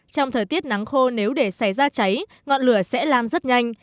trong thời tiết nắng khô nếu để xảy ra cháy ngọn lửa sẽ lan rất nhanh